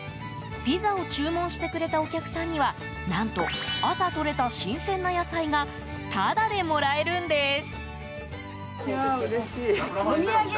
ピザを注文してくれたお客さんには何と、朝とれた新鮮な野菜がタダでもらえるんです。